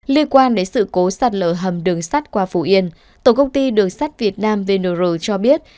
liên quan đến sự cố sạt lở hầm đường sắt qua phổ yên tổng công ty đường sắt việt nam vnr cho biết